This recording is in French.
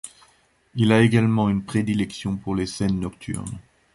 Il a également une prédilection pour les scènes nocturnes.